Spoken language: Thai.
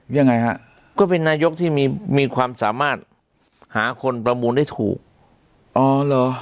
ยังไงฮะก็เป็นนายกที่มีมีความสามารถหาคนประมูลได้ถูกอ๋อเหรอ